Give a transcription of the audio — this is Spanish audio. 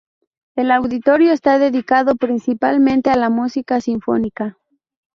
El auditorio está dedicado principalmente a la música sinfónica.